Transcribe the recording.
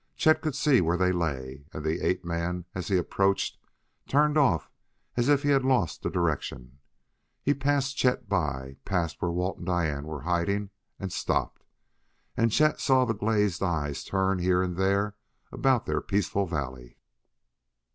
Chet could see where they lay, and the ape man, as he approached, turned off as if he had lost the direction. He passed Chet by, passed where Walt and Diane were hiding and stopped! And Chet saw the glazed eyes turn here and there about their peaceful valley.